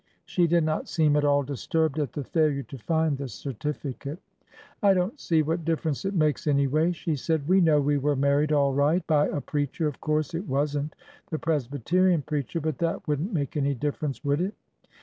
She did not seem at all disturbed at the failure to find the certificate. I don't see what diiference it makes, anyway," she said. We know we were married all right— by a preacher — of course it was n't the Presbyterian preacher, but that would n't make any difference, would it